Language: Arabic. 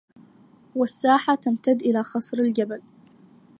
والساحة تمتد إلى خصر الجبلْ